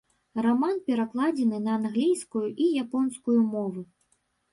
Раман перакладзены на англійскую і японскую мовы.